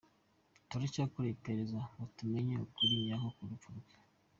Turacyakora iperereza ngo tumenye ukuri nyako ku rupfu rwe.